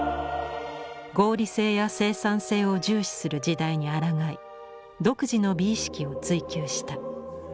合理性や生産性を重視する時代にあらがい独自の美意識を追求した。